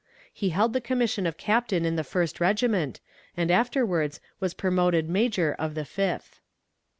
He held the commission of captain in the First Regiment, and afterwards was promoted major of the Fifth.